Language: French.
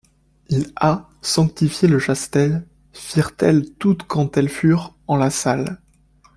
Il ha sanctifié le chastel, feirent-elles toutes quand elles feurent en la salle.